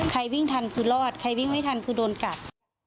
วิ่งทันคือรอดใครวิ่งไม่ทันคือโดนกัด